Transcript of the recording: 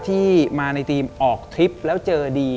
ที่มาในทีมออกทริปแล้วเจอดี